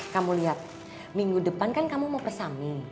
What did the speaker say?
kamu lihat minggu depan kan kamu mau persami